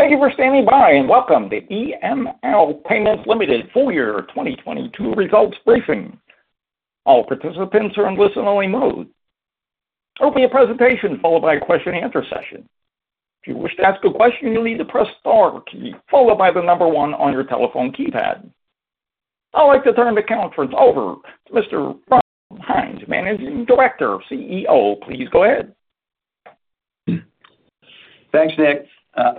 Thank you for standing by, and welcome to EML Payments Limited Full Year 2022 Results Briefing. All participants are in listen-only mode. There will be a presentation followed by a question and answer session. If you wish to ask a question, you'll need to press star key, followed by the number one on your telephone keypad. I'd like to turn the conference over to Mr. Ron Hynes, Managing Director, CEO. Please go ahead. Thanks, Nick.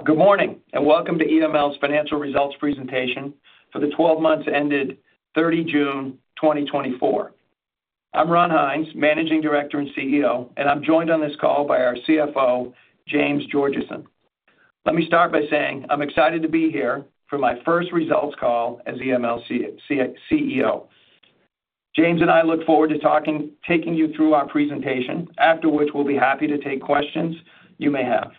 Good morning, and welcome to EML's financial results presentation for the 12 months ended 30 June 2024. I'm Ron Hynes, Managing Director and CEO, and I'm joined on this call by our CFO, James Georgeson. Let me start by saying I'm excited to be here for my first results call as EML CEO. James and I look forward to taking you through our presentation, after which we'll be happy to take questions you may have.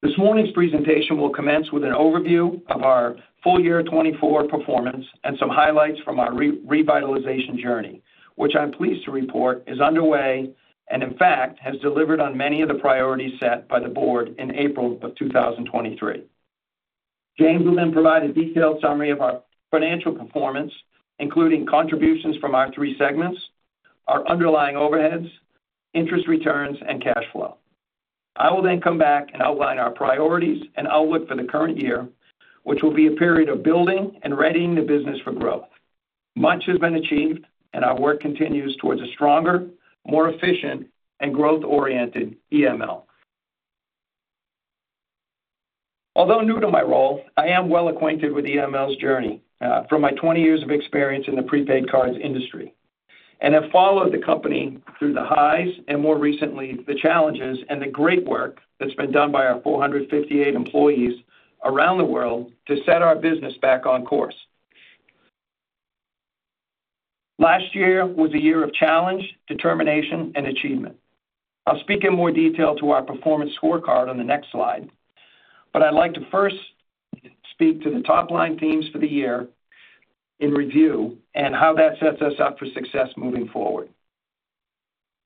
This morning's presentation will commence with an overview of our full year 2024 performance and some highlights from our revitalization journey, which I'm pleased to report is underway and in fact, has delivered on many of the priorities set by the board in April 2023. James will then provide a detailed summary of our financial performance, including contributions from our three segments, our underlying overheads, interest returns, and cash flow. I will then come back and outline our priorities and outlook for the current year, which will be a period of building and readying the business for growth. Much has been achieved, and our work continues towards a stronger, more efficient, and growth-oriented EML. Although new to my role, I am well acquainted with EML's journey, from my 20 years of experience in the prepaid cards industry, and have followed the company through the highs and, more recently, the challenges and the great work that's been done by our 458 employees around the world to set our business back on course. Last year was a year of challenge, determination, and achievement. I'll speak in more detail to our performance scorecard on the next slide, but I'd like to first speak to the top-line themes for the year in review and how that sets us up for success moving forward.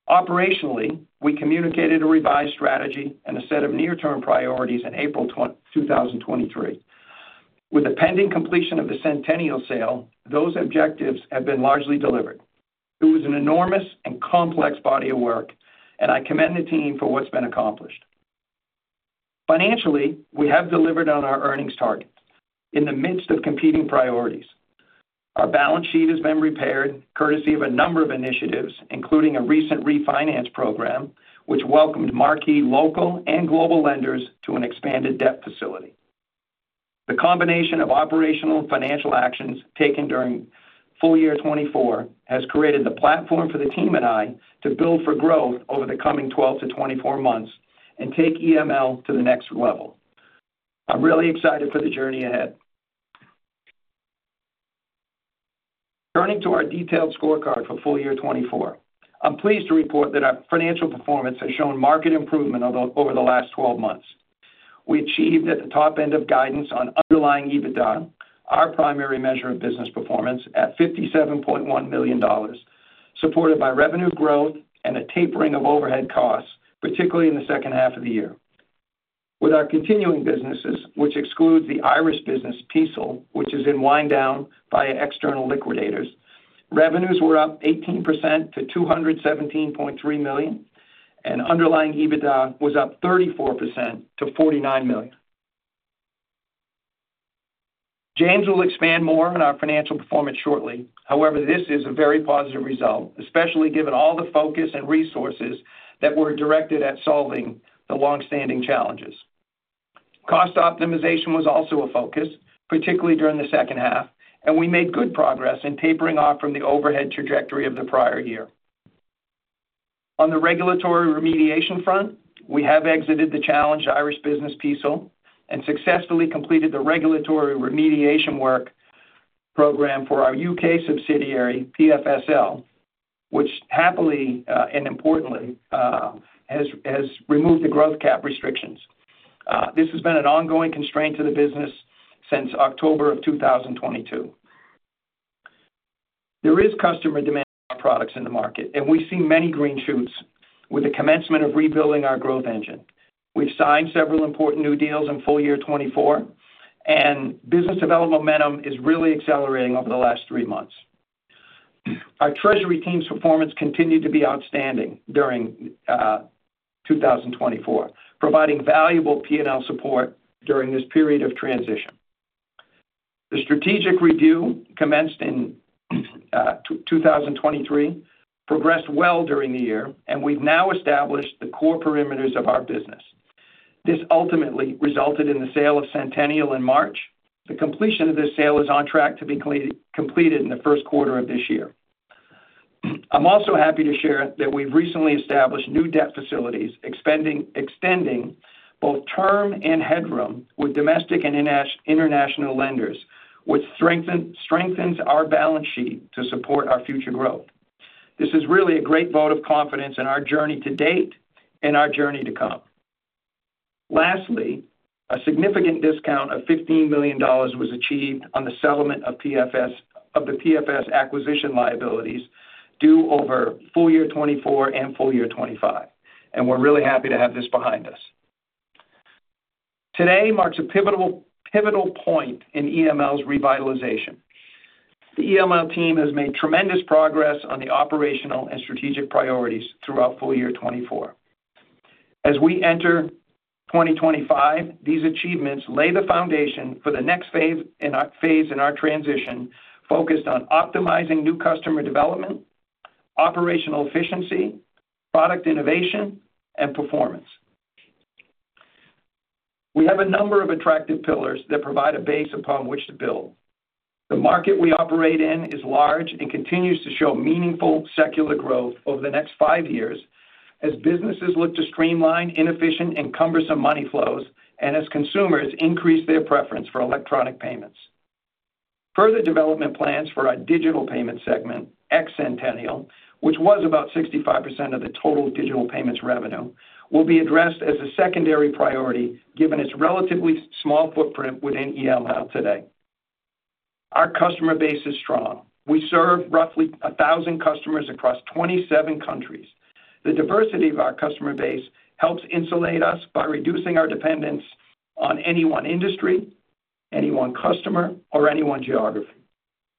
Operationally, we communicated a revised strategy and a set of near-term priorities in April 2, 2023. With the pending completion of the Sentenial sale, those objectives have been largely delivered. It was an enormous and complex body of work, and I commend the team for what's been accomplished. Financially, we have delivered on our earnings target in the midst of competing priorities. Our balance sheet has been repaired courtesy of a number of initiatives, including a recent refinance program, which welcomed marquee, local, and global lenders to an expanded debt facility. The combination of operational and financial actions taken during full year 2024 has created the platform for the team and I to build for growth over the coming 12 to 24 months and take EML to the next level. I'm really excited for the journey ahead. Turning to our detailed scorecard for full year 2024, I'm pleased to report that our financial performance has shown market improvement over the last 12 months. We achieved at the top end of guidance on underlying EBITDA, our primary measure of business performance, at 57.1 million dollars, supported by revenue growth and a tapering of overhead costs, particularly in the second half of the year. With our continuing businesses, which excludes the Irish business, PCSIL, which is in wind down by external liquidators, revenues were up 18% to 217.3 million, and underlying EBITDA was up 34% to 49 million. James will expand more on our financial performance shortly. However, this is a very positive result, especially given all the focus and resources that were directed at solving the long-standing challenges. Cost optimization was also a focus, particularly during the second half, and we made good progress in tapering off from the overhead trajectory of the prior year. On the regulatory remediation front, we have exited the challenged Irish business, PCSIL, and successfully completed the regulatory remediation work program for our UK subsidiary, PFSL, which happily and importantly has removed the growth cap restrictions. This has been an ongoing constraint to the business since October of 2022. There is customer demand for our products in the market, and we see many green shoots with the commencement of rebuilding our growth engine. We've signed several important new deals in full year 2024, and business development momentum is really accelerating over the last three months. Our treasury team's performance continued to be outstanding during 2024, providing valuable P&L support during this period of transition. The strategic review commenced in 2023, progressed well during the year, and we've now established the core parameters of our business. This ultimately resulted in the sale of Sentenial in March. The completion of this sale is on track to be completed in the first quarter of this year. I'm also happy to share that we've recently established new debt facilities, extending both term and headroom with domestic and international lenders, which strengthens our balance sheet to support our future growth. This is really a great vote of confidence in our journey to date and our journey to come. Lastly, a significant discount of $15 million was achieved on the settlement of the PFS acquisition liabilities due over full year 2024 and full year 2025, and we're really happy to have this behind us. Today marks a pivotal point in EML's revitalization. The EML team has made tremendous progress on the operational and strategic priorities throughout full year 2024. As we enter 2025, these achievements lay the foundation for the next phase in our transition, focused on optimizing new customer development, operational efficiency, product innovation, and performance. We have a number of attractive pillars that provide a base upon which to build. The market we operate in is large and continues to show meaningful secular growth over the next five years as businesses look to streamline inefficient and cumbersome money flows and as consumers increase their preference for electronic payments. Further development plans for our digital payment segment, ex Sentenial, which was about 65% of the total digital payments revenue, will be addressed as a secondary priority, given its relatively small footprint within EML today. Our customer base is strong. We serve roughly a thousand customers across 27 countries. The diversity of our customer base helps insulate us by reducing our dependence on any one industry, any one customer, or any one geography.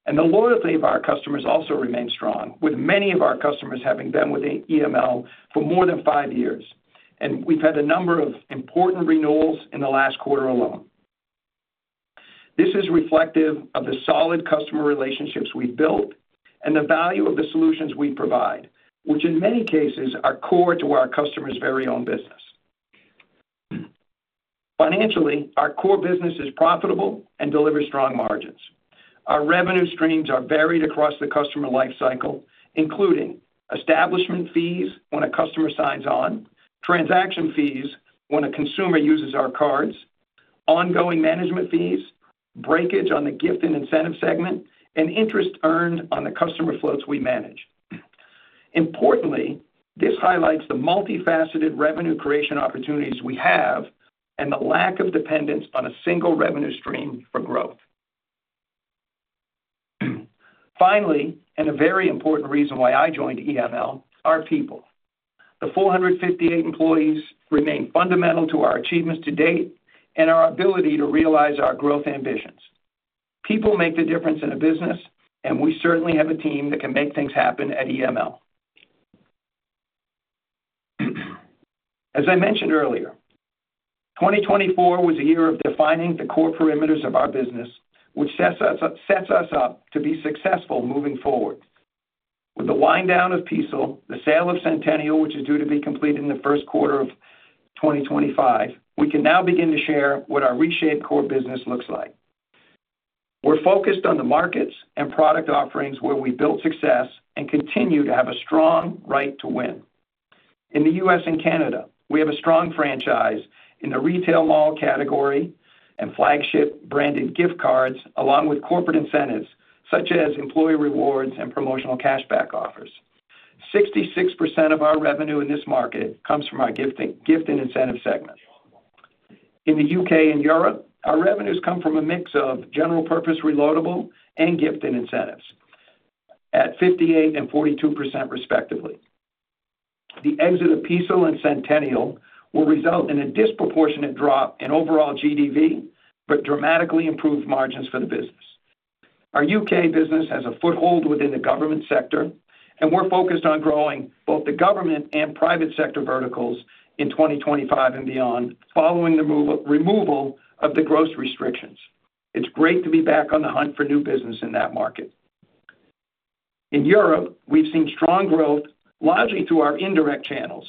And the loyalty of our customers also remains strong, with many of our customers having been with EML for more than five years, and we've had a number of important renewals in the last quarter alone. This is reflective of the solid customer relationships we've built and the value of the solutions we provide, which in many cases, are core to our customers' very own business. Financially, our core business is profitable and delivers strong margins. Our revenue streams are varied across the customer life cycle, including establishment fees when a customer signs on, transaction fees when a consumer uses our cards, ongoing management fees, breakage on the Gift and Incentive segment, and interest earned on the customer floats we manage. Importantly, this highlights the multifaceted revenue creation opportunities we have and the lack of dependence on a single revenue stream for growth. Finally, and a very important reason why I joined EML, our people. The 458 employees remain fundamental to our achievements to date and our ability to realize our growth ambitions. People make the difference in a business, and we certainly have a team that can make things happen at EML. As I mentioned earlier, 2024 was a year of defining the core parameters of our business, which sets us up to be successful moving forward. With the wind down of PCSIL, the sale of Sentenial, which is due to be completed in the first quarter of 2025, we can now begin to share what our reshaped core business looks like. We're focused on the markets and product offerings where we built success and continue to have a strong right to win. In the US and Canada, we have a strong franchise in the retail mall category and flagship branded gift cards, along with corporate incentives such as employee rewards and promotional cashback offers. 66% of our revenue in this market comes from our gift and incentive segment. In the UK and Europe, our revenues come from a mix of general purpose reloadable and gift and incentives at 58% and 42% respectively. The exit of PCSIL and Sentenial will result in a disproportionate drop in overall GDV, but dramatically improved margins for the business. Our UK business has a foothold within the government sector, and we're focused on growing both the government and private sector verticals in 2025 and beyond, following the removal of the growth restrictions. It's great to be back on the hunt for new business in that market. In Europe, we've seen strong growth, largely through our indirect channels,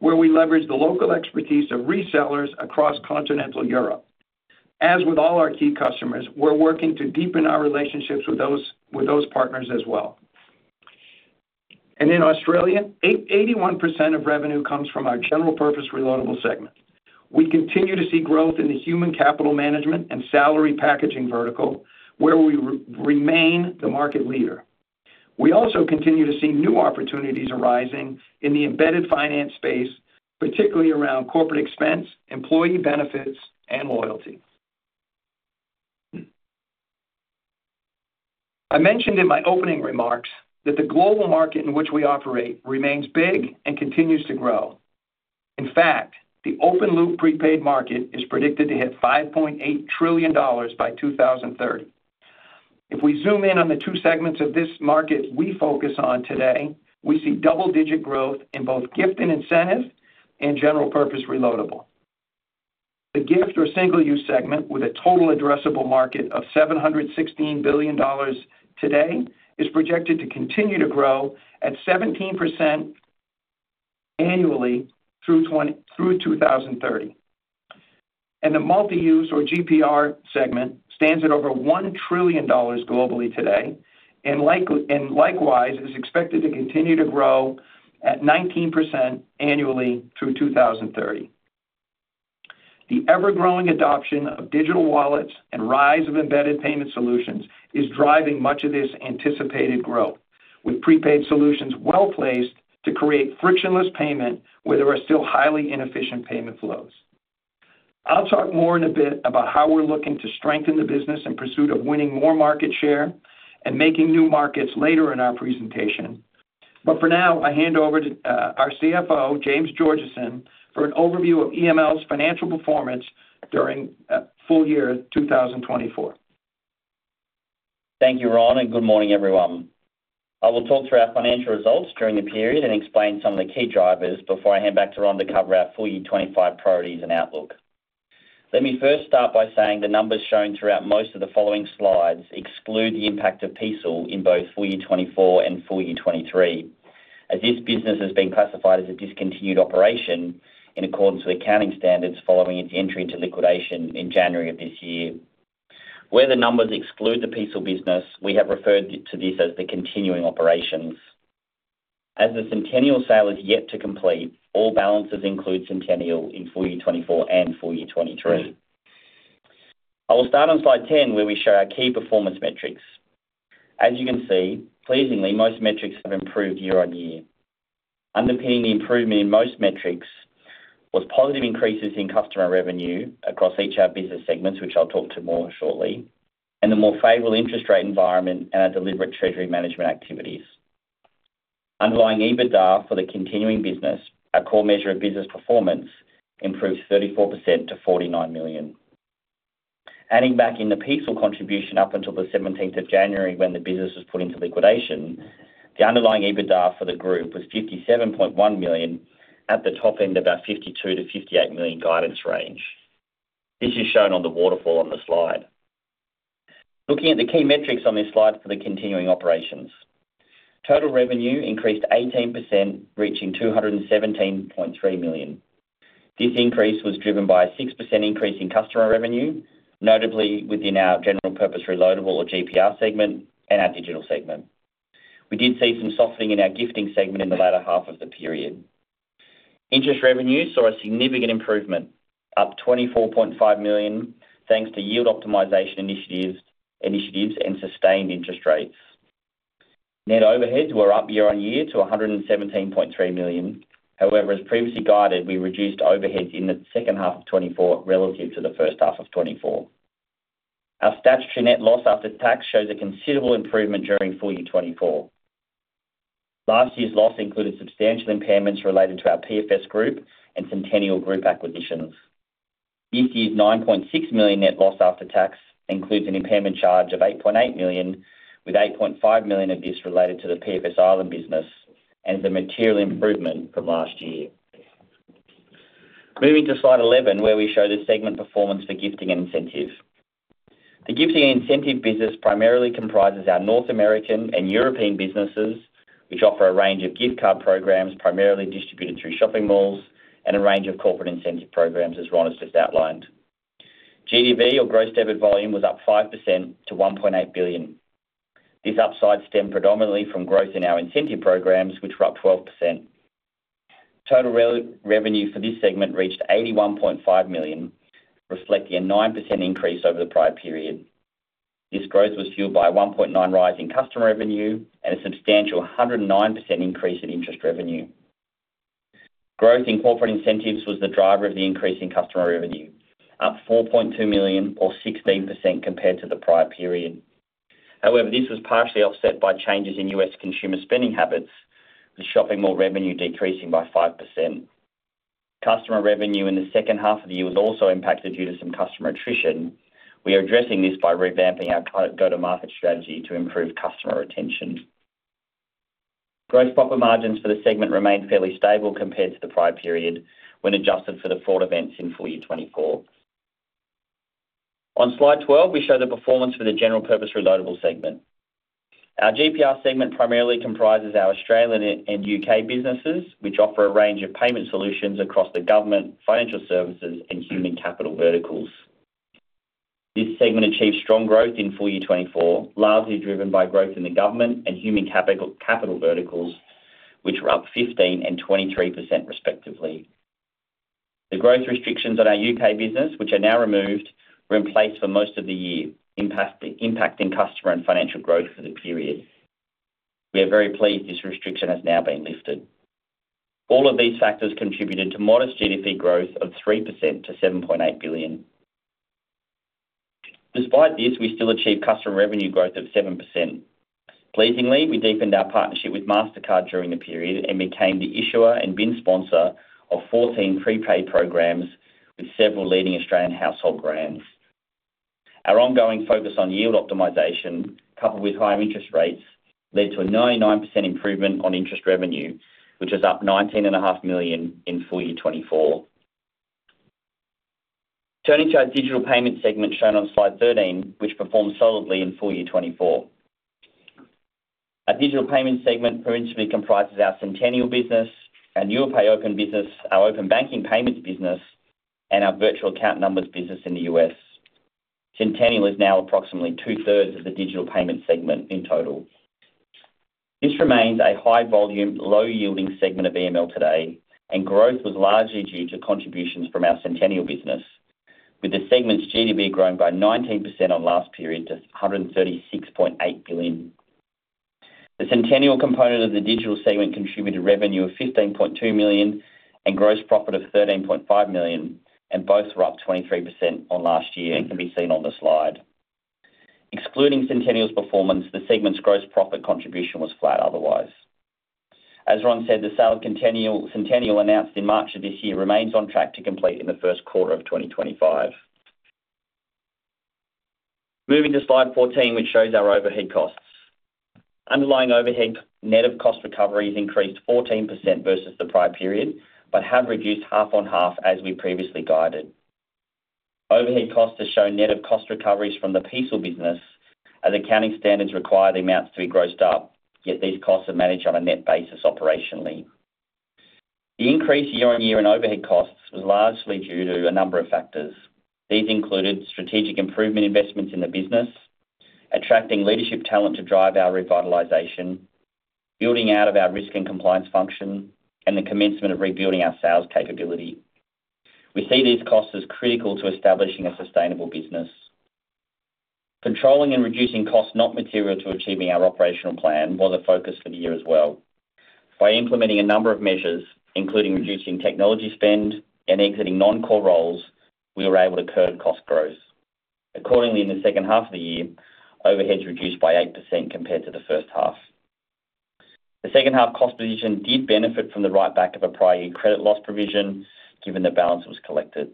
where we leverage the local expertise of resellers across continental Europe. As with all our key customers, we're working to deepen our relationships with those partners as well. In Australia, 81% of revenue comes from our general purpose reloadable segment. We continue to see growth in the human capital management and salary packaging vertical, where we remain the market leader. We also continue to see new opportunities arising in the embedded finance space, particularly around corporate expense, employee benefits, and loyalty. I mentioned in my opening remarks that the global market in which we operate remains big and continues to grow. In fact, the open loop prepaid market is predicted to hit $5.8 trillion by 2030. If we zoom in on the two segments of this market we focus on today, we see double-digit growth in both gift and incentive and general purpose reloadable. The gift or single-use segment, with a total addressable market of $716 billion today, is projected to continue to grow at 17% annually through 2030. And the multi-use or GPR segment stands at over $1 trillion globally today, and likewise, it is expected to continue to grow at 19% annually through 2030. The ever-growing adoption of digital wallets and rise of embedded payment solutions is driving much of this anticipated growth with prepaid solutions well-placed to create frictionless payment where there are still highly inefficient payment flows. I'll talk more in a bit about how we're looking to strengthen the business in pursuit of winning more market share and making new markets later in our presentation. But for now, I hand over to our CFO, James Georgeson, for an overview of EML's financial performance during full year 2024. Thank you, Ron, and good morning, everyone. I will talk through our financial results during the period and explain some of the key drivers before I hand back to Ron to cover our full year 2025 priorities and outlook. Let me first start by saying the numbers shown throughout most of the following slides exclude the impact of PCSIL in both full year 2024 and full year 2023, as this business has been classified as a discontinued operation in accordance with accounting standards, following its entry into liquidation in January this year. Where the numbers exclude the PCSIL business, we have referred to this as the continuing operations. As the Sentenial sale is yet to complete, all balances include Sentenial in full year 2024 and full year 2023. I will start on slide 10, where we show our key performance metrics. As you can see, pleasingly, most metrics have improved year on year. Underpinning the improvement in most metrics was positive increases in customer revenue across each of our business segments, which I'll talk to more shortly, and a more favorable interest rate environment and our deliberate treasury management activities. Underlying EBITDA for the continuing business, our core measure of business performance, improved 34% to 49 million. Adding back in the PCSIL contribution up until the 17th of January, when the business was put into liquidation, the underlying EBITDA for the group was 57.1 million, at the top end of our 52 million-58 million guidance range. This is shown on the waterfall on the slide. Looking at the key metrics on this slide for the continuing operations. Total revenue increased 18%, reaching 217.3 million. This increase was driven by a 6% increase in customer revenue, notably within our general purpose reloadable or GPR segment and our digital segment. We did see some softening in our gifting segment in the latter half of the period. Interest revenue saw a significant improvement, up 24.5 million, thanks to yield optimization initiatives and sustained interest rates. Net overheads were up year on year to 117.3 million. However, as previously guided, we reduced overheads in the second half of 2024 relative to the first half of 2024. Our statutory net loss after tax shows a considerable improvement during full year 2024. Last year's loss included substantial impairments related to our PFS Group and Sentenial acquisitions. This year's 9.6 million net loss after tax includes an impairment charge of 8.8 million, with 8.5 million of this related to the PFS Ireland business and the material improvement from last year. Moving to slide 11, where we show the segment performance for Gift and Incentive. The Gift and Incentive business primarily comprises our North American and European businesses, which offer a range of gift card programs, primarily distributed through shopping malls, and a range of corporate incentive programs, as Ron has just outlined. GDV or gross debit volume was up 5% to 1.8 billion. This upside stemmed predominantly from growth in our incentive programs, which were up 12%. Total revenue for this segment reached 81.5 million, reflecting a 9% increase over the prior period. This growth was fueled by a 1.9 rise in customer revenue and a substantial 109% increase in interest revenue. Growth in corporate incentives was the driver of the increase in customer revenue, up 4.2 million or 16% compared to the prior period. However, this was partially offset by changes in US consumer spending habits, with shopping mall revenue decreasing by 5%. Customer revenue in the second half of the year was also impacted due to some customer attrition. We are addressing this by revamping our current go-to-market strategy to improve customer retention. Gross profit margins for the segment remained fairly stable compared to the prior period, when adjusted for the fraud events in full year 2024. On Slide 12, we show the performance for the General Purpose Reloadable segment. Our GPR segment primarily comprises our Australian and UK businesses, which offer a range of payment solutions across the government, financial services, and human capital verticals. This segment achieved strong growth in full year 2024, largely driven by growth in the government and human capital verticals, which were up 15% and 23% respectively. The growth restrictions on our UK business, which are now removed, were in place for most of the year, impacting customer and financial growth for the period. We are very pleased this restriction has now been lifted. All of these factors contributed to modest GDV growth of 3% to 7.8 billion. Despite this, we still achieved customer revenue growth of 7%. Pleasingly, we deepened our partnership with Mastercard during the period and became the issuer and BIN sponsor of 14 prepaid programs with several leading Australian household brands. Our ongoing focus on yield optimization, coupled with higher interest rates, led to a 99% improvement on interest revenue, which is up 19.5 million in full year 2024. Turning to our digital payments segment, shown on slide 13, which performed solidly in full year 2024. Our digital payments segment principally comprises our Sentenial business, our NuPay open business, our open banking payments business, and our virtual account numbers business in the US. Sentenial is now approximately two-thirds of the digital payment segment in total. This remains a high-volume, low-yielding segment of EML today, and growth was largely due to contributions from our Sentenial business, with the segment's GDV growing by 19% on last period to 136.8 billion. The Sentenial component of the digital segment contributed revenue of 15.2 million, and gross profit of 13.5 million, and both were up 23% on last year, as can be seen on the slide. Excluding Sentenial's performance, the segment's gross profit contribution was flat otherwise. As Ron said, the sale of Sentenial, Sentenial announced in March of this year, remains on track to complete in the first quarter of 2025. Moving to slide 14, which shows our overhead costs. Underlying overhead, net of cost recovery, has increased 14% versus the prior period, but have reduced half on half as we previously guided. Overhead costs have shown net of cost recoveries from the PFS business, as accounting standards require the amounts to be grossed up, yet these costs are managed on a net basis operationally. The increase year-on-year in overhead costs was largely due to a number of factors. These included strategic improvement investments in the business, attracting leadership talent to drive our revitalization, building out of our risk and compliance function, and the commencement of rebuilding our sales capability. We see these costs as critical to establishing a sustainable business. Controlling and reducing costs not material to achieving our operational plan, was a focus for the year as well. By implementing a number of measures, including reducing technology spend and exiting non-core roles, we were able to curb cost growth. Accordingly, in the second half of the year, overheads reduced by 8% compared to the first half. The second half cost position did benefit from the write back of a prior year credit loss provision, given the balance was collected.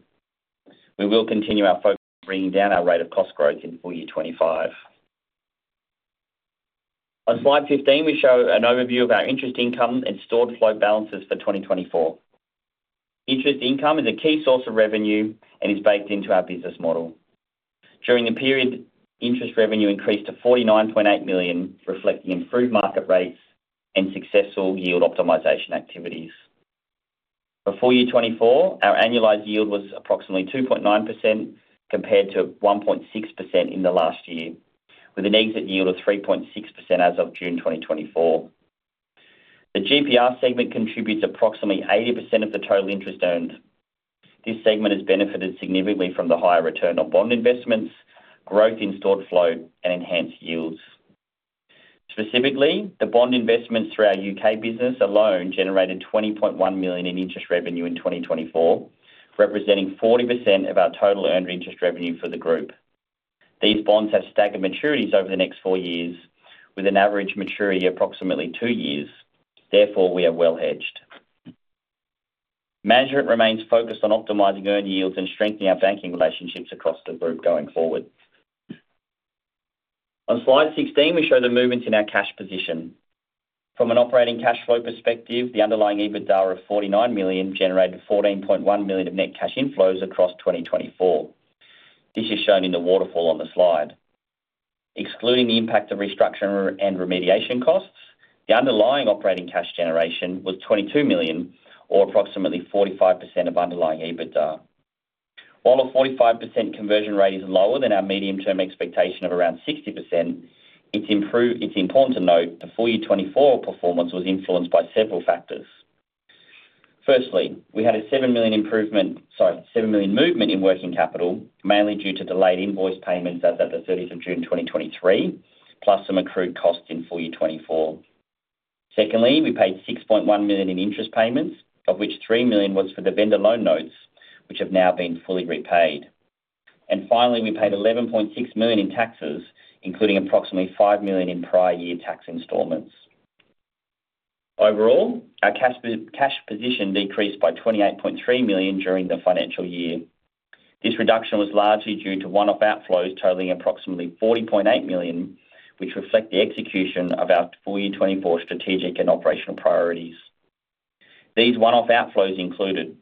We will continue our focus on bringing down our rate of cost growth in full year 2025. On slide 15, we show an overview of our interest income and stored flow balances for 2024. Interest income is a key source of revenue and is baked into our business model. During the period, interest revenue increased to 49.8 million, reflecting improved market rates and successful yield optimization activities. For full year 2024, our annualized yield was approximately 2.9%, compared to 1.6% in the last year, with an exit yield of 3.6% as of June 2024. The GPR segment contributes approximately 80% of the total interest earned. This segment has benefited significantly from the higher return on bond investments, growth in stored flow, and enhanced yields. Specifically, the bond investments through our UK business alone generated 20.1 million in interest revenue in 2024, representing 40% of our total earned interest revenue for the group. These bonds have staggered maturities over the next four years, with an average maturity approximately two years. Therefore, we are well hedged. Management remains focused on optimizing earned yields and strengthening our banking relationships across the group going forward. On Slide 16, we show the movement in our cash position. From an operating cash flow perspective, the underlying EBITDA of 49 million generated 14.1 million of net cash inflows across 2024. This is shown in the waterfall on the slide. Excluding the impact of restructuring and remediation costs, the underlying operating cash generation was 22 million, or approximately 45% of underlying EBITDA. While a 45% conversion rate is lower than our medium-term expectation of around 60%, it's improved. It's important to note the full year 2024 performance was influenced by several factors. Firstly, we had a 7 million improvement, sorry, 7 million movement in working capital, mainly due to delayed invoice payments as at the June 13, 2023, plus some accrued costs in full year 2024. Secondly, we paid 6.1 million in interest payments, of which 3 million was for the vendor loan notes, which have now been fully repaid. And finally, we paid 11.6 million in taxes, including approximately 5 million in prior year tax installments. Overall, our cash position decreased by 28.3 million during the financial year. This reduction was largely due to one-off outflows, totaling approximately 40.8 million, which reflect the execution of our full year 2024 strategic and operational priorities. These one-off outflows included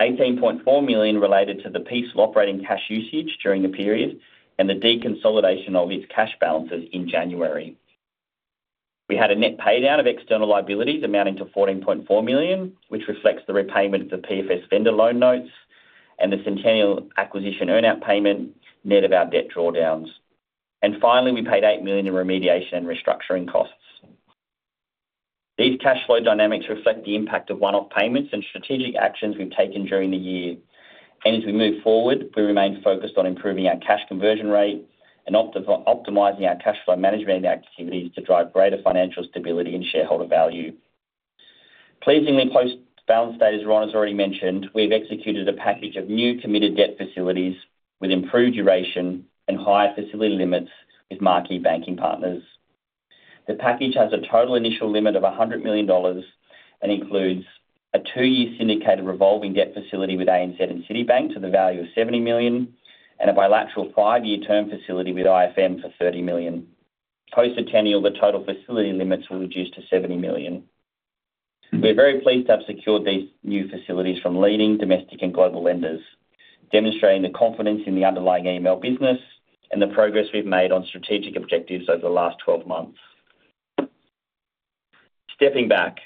18.4 million related to the PCSIL operating cash usage during the period, and the deconsolidation of its cash balances in January. We had a net pay down of external liabilities amounting to 14.4 million, which reflects the repayment of the PFS vendor loan notes and the Sentenial acquisition earn-out payment, net of our debt drawdowns. And finally, we paid 8 million in remediation and restructuring costs. These cash flow dynamics reflect the impact of one-off payments and strategic actions we've taken during the year. And as we move forward, we remain focused on improving our cash conversion rate and optimizing our cash flow management activities to drive greater financial stability and shareholder value. Pleasingly, post-balance status, Ron has already mentioned, we've executed a package of new committed debt facilities with improved duration and higher facility limits with marquee banking partners. The package has a total initial limit of 100 million dollars and includes a two-year syndicated revolving debt facility with ANZ and Citibank to the value of 70 million, and a bilateral five-year term facility with IFM for 30 million. Post Sentenial, the total facility limits were reduced to 70 million. We are very pleased to have secured these new facilities from leading domestic and global lenders, demonstrating the confidence in the underlying EML business and the progress we've made on strategic objectives over the last twelve months. Stepping back,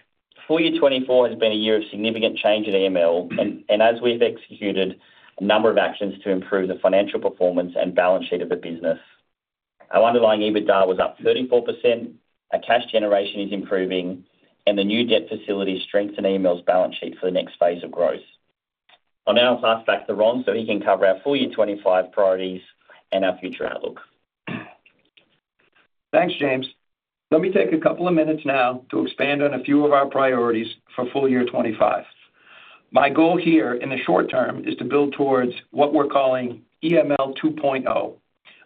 full year 2024 has been a year of significant change at EML, and as we've executed a number of actions to improve the financial performance and balance sheet of the business. Our Underlying EBITDA was up 34%, our cash generation is improving, and the new debt facility strengthened EML's balance sheet for the next phase of growth. I'll now pass back to Ron so he can cover our full year 2025 priorities and our future outlook. Thanks, James. Let me take a couple of minutes now to expand on a few of our priorities for full year 2025. My goal here in the short term is to build towards what we're calling EML 2.0,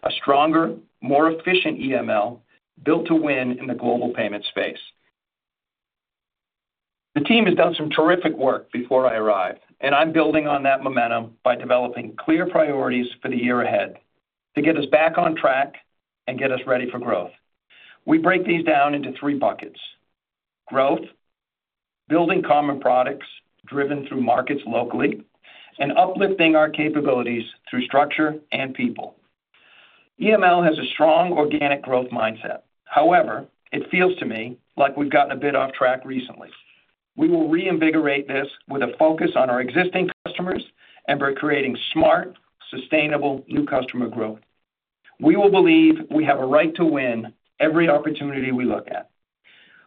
a stronger, more efficient EML, built to win in the global payment space. The team has done some terrific work before I arrived, and I'm building on that momentum by developing clear priorities for the year ahead to get us back on track and get us ready for growth. We break these down into three buckets: growth, building common products driven through markets locally, and uplifting our capabilities through structure and people. EML has a strong organic growth mindset. However, it feels to me like we've gotten a bit off track recently. We will reinvigorate this with a focus on our existing customers and by creating smart, sustainable, new customer growth. We will believe we have a right to win every opportunity we look at.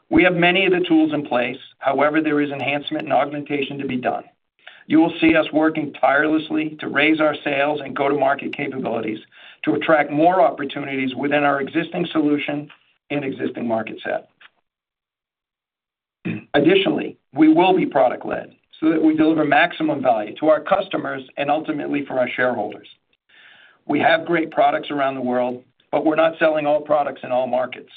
We have many of the tools in place. However, there is enhancement and augmentation to be done. You will see us working tirelessly to raise our sales and go-to-market capabilities to attract more opportunities within our existing solution and existing market set. Additionally, we will be product-led so that we deliver maximum value to our customers and ultimately for our shareholders. We have great products around the world, but we're not selling all products in all markets.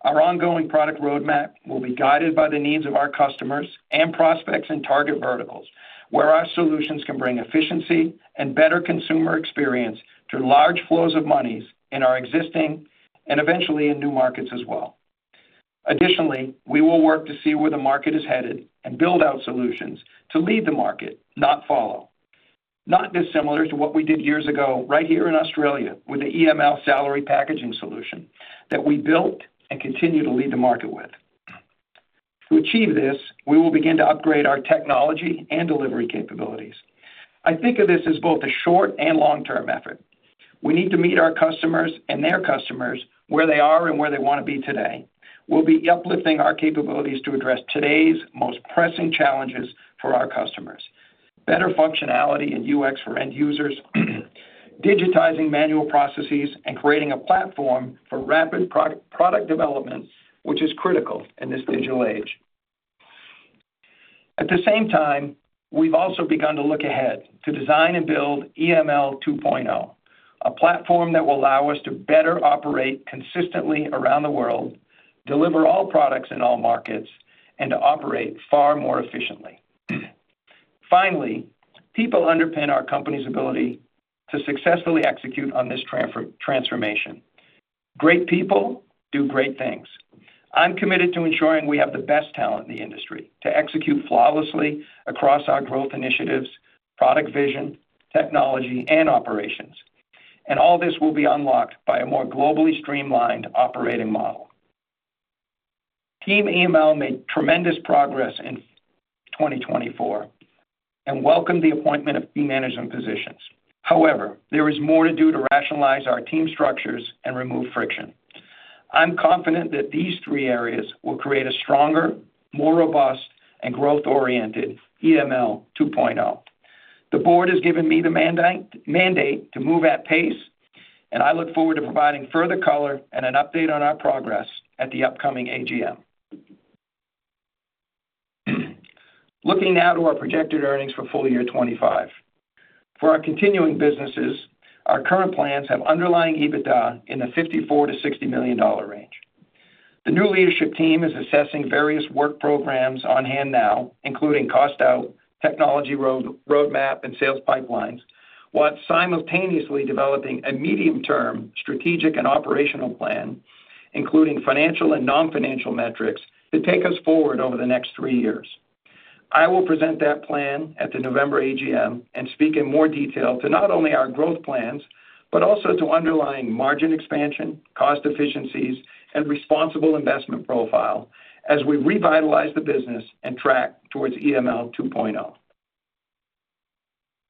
Our ongoing product roadmap will be guided by the needs of our customers and prospects in target verticals, where our solutions can bring efficiency and better consumer experience through large flows of monies in our existing and eventually in new markets as well. Additionally, we will work to see where the market is headed and build out solutions to lead the market, not follow. Not dissimilar to what we did years ago, right here in Australia, with the EML salary packaging solution that we built and continue to lead the market with. To achieve this, we will begin to upgrade our technology and delivery capabilities. I think of this as both a short and long-term effort. We need to meet our customers and their customers where they are and where they want to be today. We'll be uplifting our capabilities to address today's most pressing challenges for our customers, better functionality and UX for end users, digitizing manual processes, and creating a platform for rapid product development, which is critical in this digital age. At the same time, we've also begun to look ahead to design and build EML 2.0, a platform that will allow us to better operate consistently around the world, deliver all products in all markets, and to operate far more efficiently. Finally, people underpin our company's ability to successfully execute on this transformation. Great people do great things. I'm committed to ensuring we have the best talent in the industry to execute flawlessly across our growth initiatives, product vision, technology, and operations. And all this will be unlocked by a more globally streamlined operating model. Team EML made tremendous progress in 2024 and welcomed the appointment of key management positions. However, there is more to do to rationalize our team structures and remove friction. I'm confident that these three areas will create a stronger, more robust, and growth-oriented EML 2.0. The board has given me the mandate to move at pace, and I look forward to providing further color and an update on our progress at the upcoming AGM. Looking now to our projected earnings for full year 2025. For our continuing businesses, our current plans have underlying EBITDA in the 54 million-60 million dollar range. The new leadership team is assessing various work programs on hand now, including cost out, technology roadmap, and sales pipelines, while simultaneously developing a medium-term strategic and operational plan, including financial and non-financial metrics, to take us forward over the next three years. I will present that plan at the November AGM and speak in more detail to not only our growth plans, but also to underlying margin expansion, cost efficiencies, and responsible investment profile as we revitalize the business and track towards EML 2.0.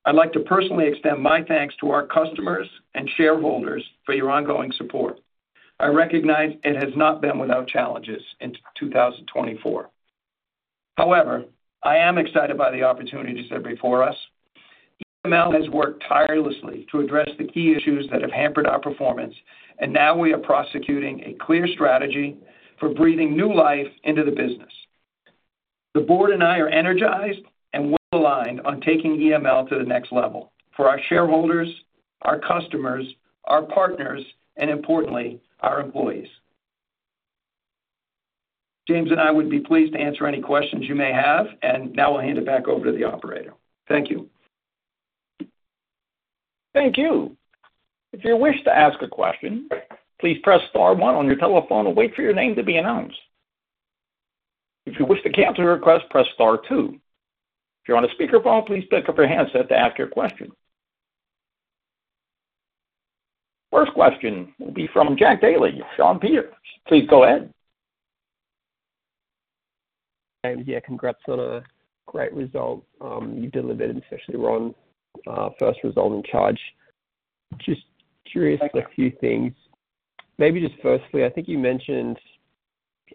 I'd like to personally extend my thanks to our customers and shareholders for your ongoing support. I recognize it has not been without challenges in 2024. However, I am excited by the opportunities that are before us. EML has worked tirelessly to address the key issues that have hampered our performance, and now we are prosecuting a clear strategy for breathing new life into the business. The board and I are energized and well aligned on taking EML to the next level for our shareholders, our customers, our partners, and importantly, our employees. James and I would be pleased to answer any questions you may have, and now I'll hand it back over to the operator. Thank you. Thank you. If you wish to ask a question, please press star one on your telephone and wait for your name to be announced. If you wish to cancel your request, press star two. If you're on a speakerphone, please pick up your handset to ask your question. First question will be from Jack Daley, Shaw and Partners. Please go ahead. ... And yeah, congrats on a great result, you delivered, and especially Ron, first result in charge. Just curious- Thank you. On a few things. Maybe just firstly, I think you mentioned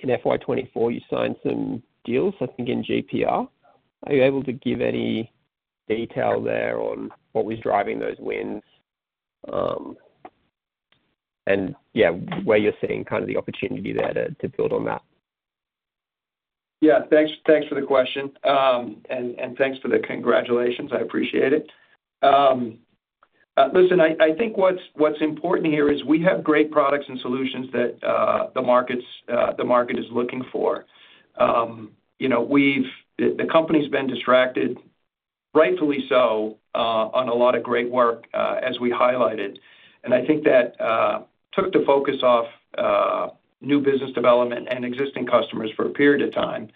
in FY 2024, you signed some deals, I think in GPR. Are you able to give any detail there on what was driving those wins? And yeah, where you're seeing kind of the opportunity there to build on that. Yeah, thanks, thanks for the question. And thanks for the congratulations. I appreciate it. Listen, I think what's important here is we have great products and solutions that the markets, the market is looking for. You know, the company's been distracted, rightfully so, on a lot of great work, as we highlighted. And I think that took the focus off new business development and existing customers for a period of time.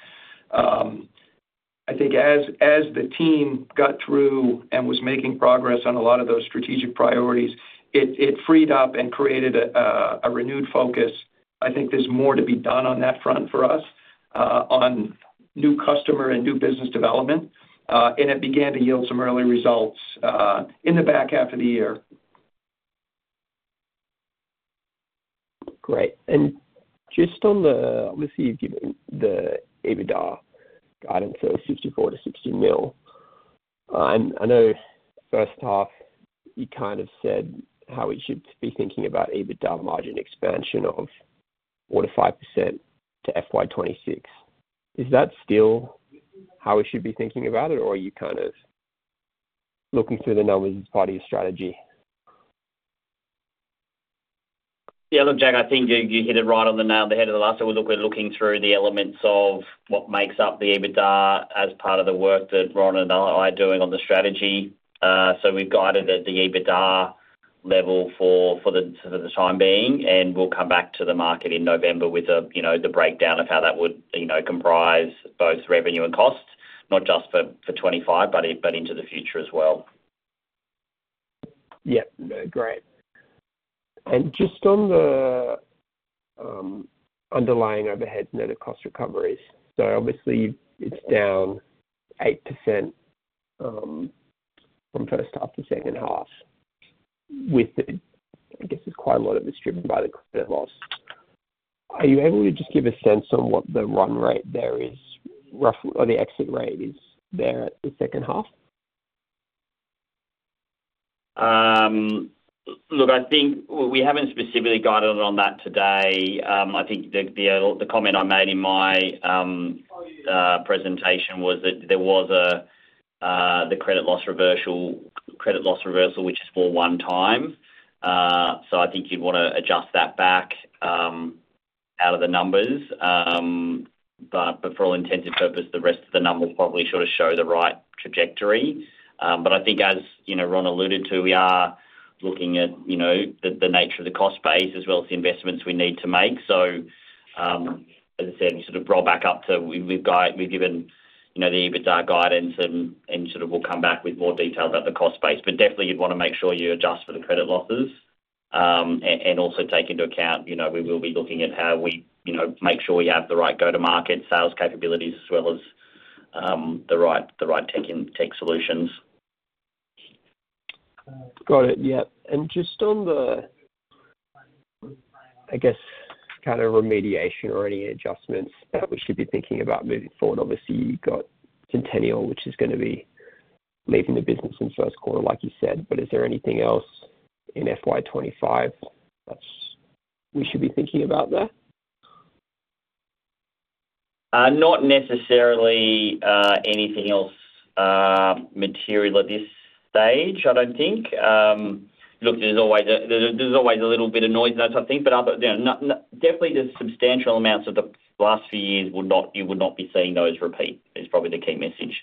I think as the team got through and was making progress on a lot of those strategic priorities, it freed up and created a renewed focus. I think there's more to be done on that front for us on new customer and new business development. And it began to yield some early results in the back half of the year. Great. And just on the, obviously, you've given the EBITDA guidance, so 64 million-60 million. I know first half, you kind of said how we should be thinking about EBITDA margin expansion of 4%-5% to FY 2026. Is that still how we should be thinking about it, or are you kind of looking through the numbers as part of your strategy? Yeah, look, Jack, I think you hit it right on the nail on the head of the last. So we're looking through the elements of what makes up the EBITDA as part of the work that Ron and I are doing on the strategy. So we've guided at the EBITDA level for the time being, and we'll come back to the market in November with a, you know, the breakdown of how that would, you know, comprise both revenue and costs, not just for 2025, but into the future as well. Yeah. Great. And just on the underlying overhead net of cost recoveries. So obviously it's down 8% from first half to second half with the.. I guess it's quite a lot of it's driven by the credit loss. Are you able to just give a sense on what the run rate there is roughly, or the exit rate is there at the second half? Look, I think we haven't specifically guided on that today. I think the comment I made in my presentation was that there was the credit loss reversal, which is for one time. So I think you'd wanna adjust that back out of the numbers. But for all intents and purpose, the rest of the numbers probably sort of show the right trajectory. But I think as you know, Ron alluded to, we are looking at you know, the nature of the cost base as well as the investments we need to make. So as I said, you sort of roll back up to we've given you know, the EBITDA guidance and sort of we'll come back with more details about the cost base. But definitely you'd wanna make sure you adjust for the credit losses. And also take into account, you know, we will be looking at how we, you know, make sure we have the right go-to-market sales capabilities, as well as the right tech solutions. Got it. Yep. And just on the, I guess, kind of remediation or any adjustments that we should be thinking about moving forward. Obviously, you've got Sentenial, which is gonna be leaving the business in first quarter, like you said, but is there anything else in FY 2025 that's we should be thinking about there? Not necessarily anything else material at this stage, I don't think. Look, there's always a little bit of noise in that sort of thing, but other than no, no, definitely the substantial amounts of the last few years, you would not be seeing those repeat, is probably the key message.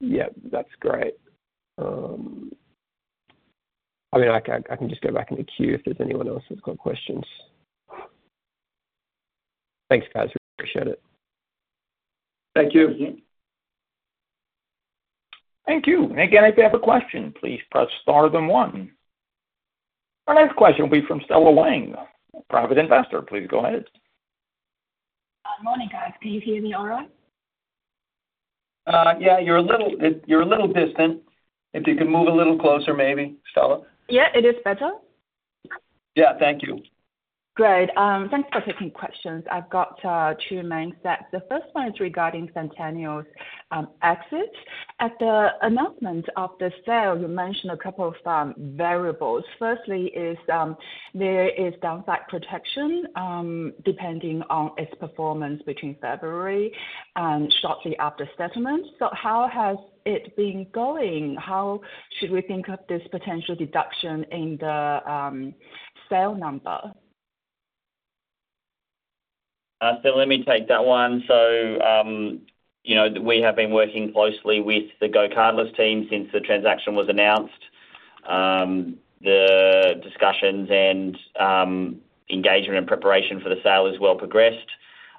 Yeah, that's great. I mean, I can just go back in the queue if there's anyone else who's got questions. Thanks, guys. We appreciate it. Thank you. Thank you. And again, if you have a question, please press star then one. Our next question will be from Stella Wang, private investor. Please go ahead. Morning, guys. Can you hear me all right? Yeah, you're a little distant. If you can move a little closer, maybe, Stella. Yeah, it is better? Yeah. Thank you. Great. Thanks for taking questions. I've got two main sets. The first one is regarding Sentenial's exit. At the announcement of the sale, you mentioned a couple of variables. Firstly is there is downside protection depending on its performance between February and shortly after settlement. So how has it been going? How should we think of this potential deduction in the sale number? So, let me take that one. So, you know, we have been working closely with the GoCardless team since the transaction was announced. The discussions and, engagement and preparation for the sale is well progressed.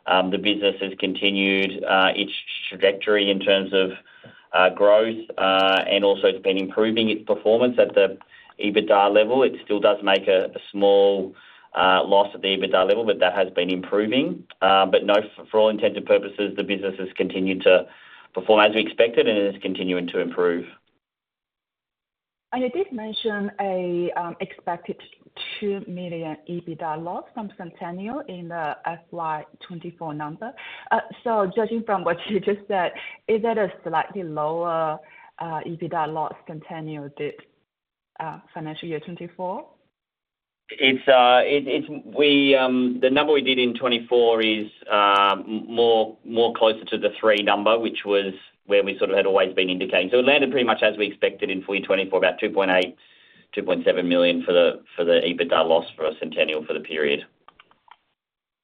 The business has continued, its trajectory in terms of growth, and also it's been improving its performance at the EBITDA level. It still does make a small loss at the EBITDA level, but that has been improving. But no, for all intents and purposes, the business has continued to perform as we expected, and it is continuing to improve. You did mention a expected 2 million EBITDA loss from Sentenial in the FY 2024 number. So judging from what you just said, is that a slightly lower EBITDA loss Sentenial this financial year 2024? It's the number we did in 2024 is more closer to the three number, which was where we sort of had always been indicating. So it landed pretty much as we expected in full year 2024, about 2.8 million-2.7 million for the EBITDA loss for Sentenial for the period.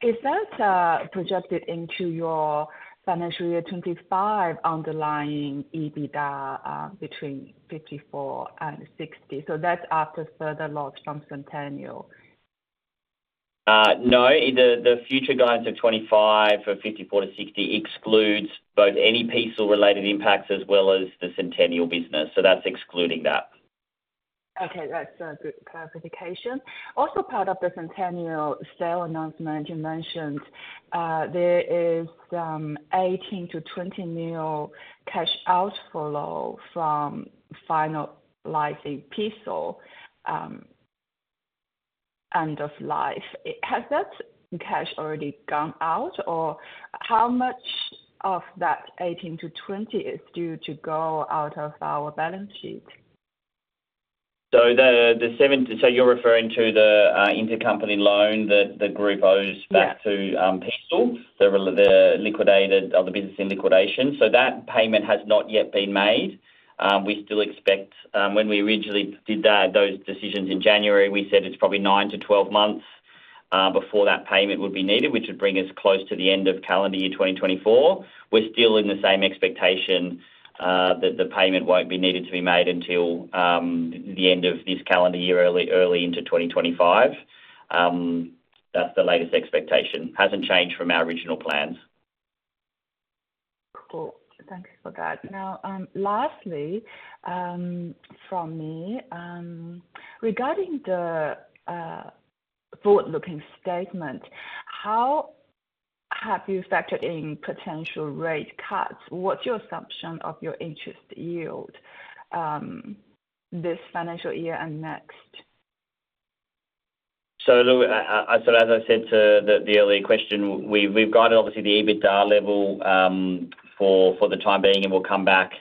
Is that, projected into your financial year 2025 underlying EBITDA, between 54 and 60? So that's after further loss from Sentenial. No, the future guidance of 2025 for 54-60 excludes both any PCSIL or related impacts as well as the Sentenial business. That's excluding that. Okay, that's a good clarification. Also, part of the Sentenial sale announcement you mentioned, there is 18-20 million cash outflow from finalizing PCSIL end of life. Has that cash already gone out, or how much of that 18-20 million is due to go out of our balance sheet? So you're referring to the intercompany loan that the group owes- Yeah... back to PCSIL, the liquidated or the business in liquidation. So that payment has not yet been made. We still expect, when we originally did that, those decisions in January, we said it's probably 9 to 12 months before that payment would be needed, which would bring us close to the end of calendar year 2024. We're still in the same expectation that the payment won't be needed to be made until the end of this calendar year, early into 2025. That's the latest expectation. Hasn't changed from our original plans. Cool. Thank you for that. Now, lastly, from me, regarding the forward-looking statement, how have you factored in potential rate cuts? What's your assumption of your interest yield, this financial year and next? So, look, as I said to the earlier question, we've guided obviously the EBITDA level for the time being, and we'll come back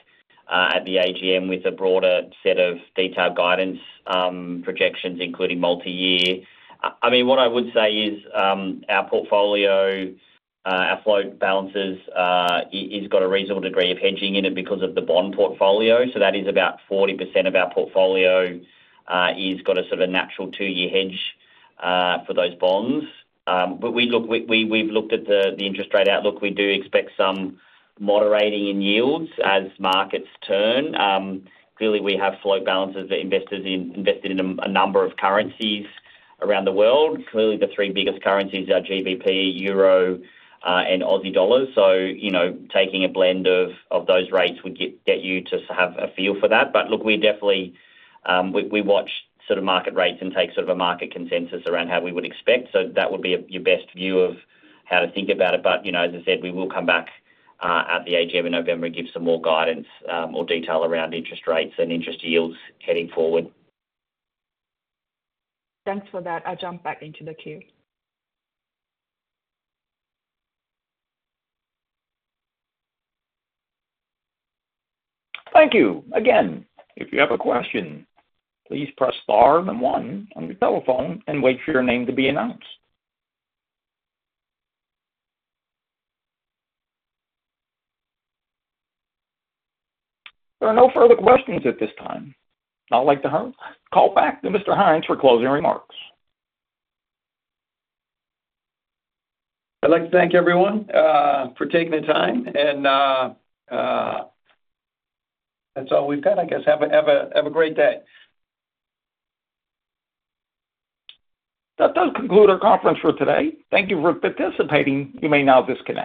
at the AGM with a broader set of detailed guidance, projections, including multi-year. I mean, what I would say is, our portfolio, our float balances is got a reasonable degree of hedging in it because of the bond portfolio. So that is about 40% of our portfolio is got a sort of natural two-year hedge for those bonds. But we've looked at the interest rate outlook. We do expect some moderating in yields as markets turn. Clearly, we have float balances that invested in a number of currencies around the world. Clearly, the three biggest currencies are GBP, Euro, and Aussie dollars. So, you know, taking a blend of those rates would get you to have a feel for that. But look, we definitely watch sort of market rates and take sort of a market consensus around how we would expect. So that would be your best view of how to think about it. But, you know, as I said, we will come back at the AGM in November and give some more guidance, more detail around interest rates and interest yields heading forward. Thanks for that. I'll jump back into the queue. Thank you. Again, if you have a question, please press star then one on your telephone and wait for your name to be announced. There are no further questions at this time. I'd like to hand call back to Mr. Hynes for closing remarks. I'd like to thank everyone for taking the time, and that's all we've got. I guess, have a great day. That does conclude our conference for today. Thank you for participating. You may now disconnect.